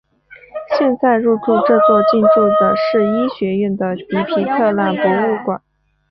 现在入驻这座建筑的是医学院的迪皮特朗博物馆。